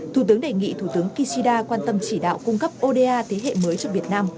thủ tướng đề nghị thủ tướng kishida quan tâm chỉ đạo cung cấp oda thế hệ mới cho việt nam